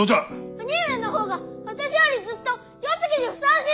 兄上の方が私よりずっと世継ぎにふさわしい！